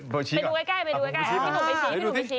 ไปดูใกล้